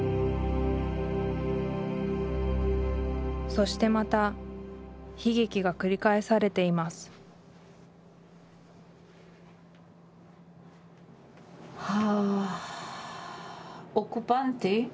そしてまた悲劇が繰り返されていますは。